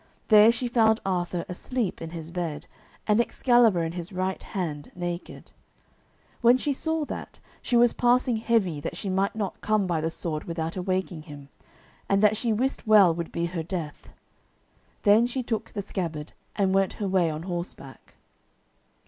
There she found Arthur asleep in his bed, and Excalibur in his right hand naked. When she saw that, she was passing heavy that she might not come by the sword without awaking him, and that she wist well would be her death. Then she took the scabbard, and went her way on horseback.